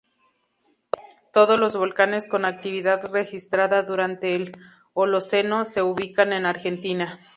Todos los volcanes con actividad registrada durante el Holoceno se ubican en Argentina.